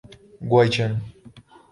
گوئچ ان